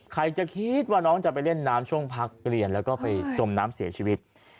ใครจะคิดว่าน้องจะไปเล่นน้ำช่วงพักเรียนแล้วก็ไปจมน้ำเสียชีวิต